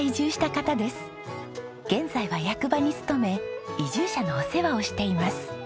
現在は役場に勤め移住者のお世話をしています。